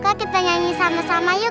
kita nyanyi sama sama yuk